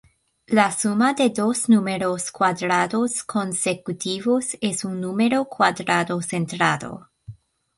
La suma de dos números cuadrados consecutivos es un número cuadrado centrado.